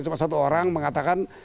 cuma satu orang mengatakan